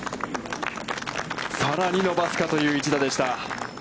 さらに伸ばすかという一打でした。